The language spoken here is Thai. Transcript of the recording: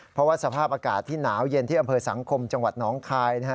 เพราะว่าสภาพอากาศที่หนาวเย็นที่อำเภอสังคมจังหวัดน้องคาย